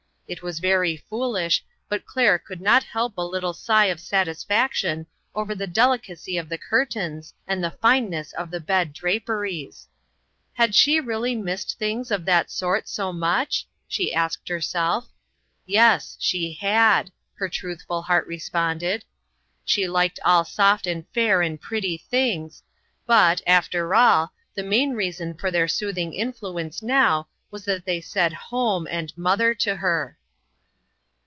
It was very foolish, but Claire could not help a little sigh of satisfaction over the delicacy of the curtains and the fineness of the bed draperies. Had she realty missed things of that sort so much? she asked herself. Yes, she had! her truthful heart responded. She liked all soft and fair and pretty things ; but, after all, the main reason for their soothing influ 148 INTERRUPTED. ence now was that they said " home " and " mother " to her.